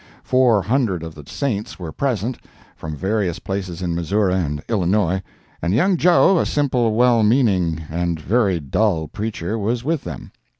Four hundred of the Saints were present, from various places in Missouri and Illinois, and young Joe, a simple, well meaning, and very dull preacher was with them.